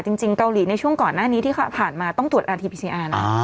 จริงเกาหลีในช่วงก่อนหน้านี้ที่ผ่านมาต้องตรวจอาทีพีซีอาร์นะ